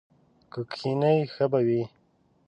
که کښېنې ښه به وي!